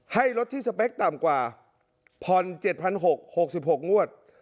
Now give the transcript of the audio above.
ลดที่สเปคต่ำกว่าผ่อน๗๖๖งวด